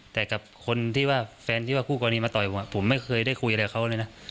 แต่กับคนที่ว่าแฟนที่ว่าคู่กรณีมาต่อยผมไม่เคยได้คุยอะไรกับเขาเลยนะ